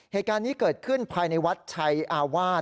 เหตุการณ์นี้เกิดขึ้นภายในวัดชัยอาวาส